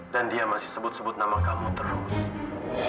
dan dia masih sebut sebut nama kamu terus